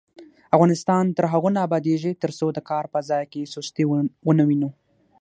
افغانستان تر هغو نه ابادیږي، ترڅو د کار په ځای کې سستي ونه وینو.